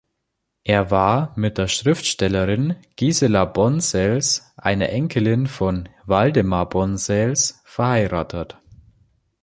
Er war mit der Schriftstellerin Gisela Bonsels, einer Enkelin von Waldemar Bonsels, verheiratet.